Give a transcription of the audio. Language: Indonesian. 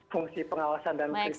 fungsi pengawasan dan mengikuti